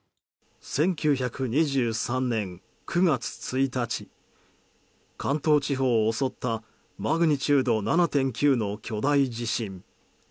１９２３年９月１日関東地方を襲ったマグニチュード７．９の巨大地震。